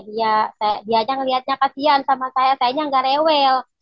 dia dia yang lihatnya kasian sama saya saya yang gak rewel